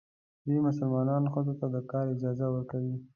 دوی مسلمانان ښځو ته د کار اجازه ورکوي.